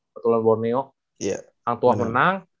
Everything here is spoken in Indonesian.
petualang borneo hang tua menang